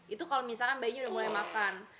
itu kalau misalkan bayinya udah mulai makan